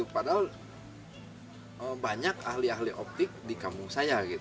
padahal banyak ahli ahli optik di kampung saya